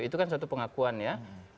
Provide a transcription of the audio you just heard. itu kan suatu pengakuan ya